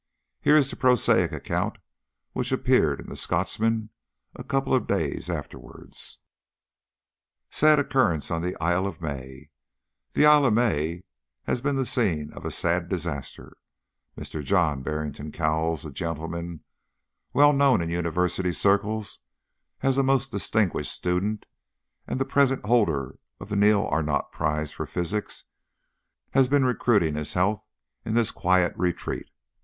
Here is the prosaic account which appeared in the Scotsman a couple of days afterwards: "Sad Occurrence on the Isle of May. The Isle of May has been the scene of a sad disaster. Mr. John Barrington Cowles, a gentleman well known in University circles as a most distinguished student, and the present holder of the Neil Arnott prize for physics, has been recruiting his health in this quiet retreat.